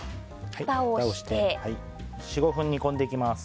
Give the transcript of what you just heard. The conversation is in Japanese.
ふたをして４５分煮込んでいきます。